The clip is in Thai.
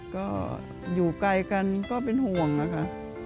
ก็อยู่ไกลกันก็เป็นห่วงค่ะ